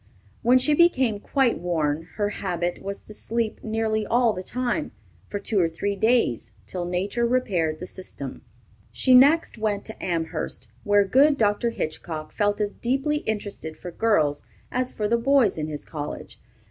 When she became quite worn, her habit was to sleep nearly all the time, for two or three days, till nature repaired the system. She next went to Amherst, where good Dr. Hitchcock felt as deeply interested for girls as for the boys in his college.